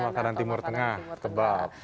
makanan timur tengah tebal